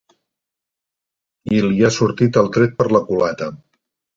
I li ha sortit el tret per la culata.